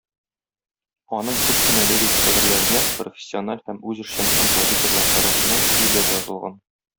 Аның күп кенә лирик шигырьләренә профессиональ һәм үзешчән композиторлар тарафыннан көйләр язылган.